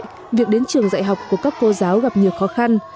vì vậy việc đến trường dạy học của các cô giáo gặp nhiều khó khăn